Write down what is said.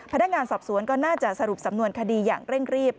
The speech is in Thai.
พนักงานสอบสวนก็น่าจะสรุปสำนวนคดีอย่างเร่งรีบ